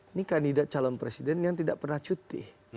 ini kandidat calon presiden yang tidak pernah cuti